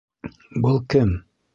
Был кем?